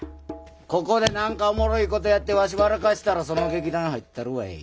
ここで何かおもろいことやってわし笑かしたらその劇団入ったるわい。